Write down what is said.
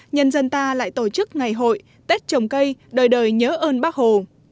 nhân dân ta lại tổ chức ngày hội tết trồng cây đời đời nhớ ơn bác hồ